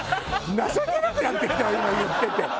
情けなくなってきたわ今言ってて。